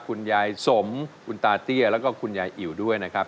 คุณยายสมคุณตาเตี้ยแล้วก็คุณยายอิ๋วด้วยนะครับ